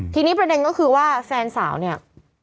ทีนี้ประเด็นก็คือว่าแฟนสาวเนี่ย